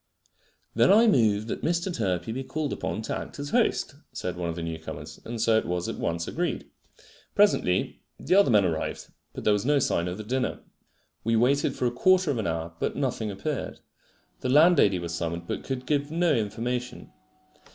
"Then I move that Mr. Turpey be called upon to act as host," said one of the new comers; and so it was at once agreed. Presently the other men arrived; but there was no sign of the dinner. We waited for a quarter of an hour, but nothing appeared. The landlady was summoned, but could give no information.